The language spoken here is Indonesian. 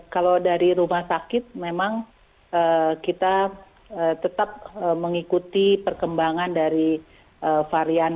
kalau dari rumah sakit memang kita tetap mengikuti perkembangan dari varian